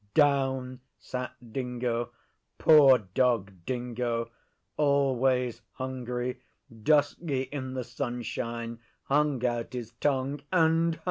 Down sat Dingo Poor Dog Dingo always hungry, dusky in the sunshine; hung out his tongue and howled.